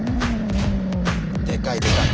でかいでかい。